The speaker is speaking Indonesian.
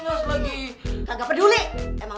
emang lu patah sih kagak pakai telepon